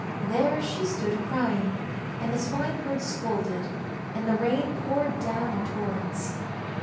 There she stood crying, and the swineherd scolded, and the rain poured down in torrents.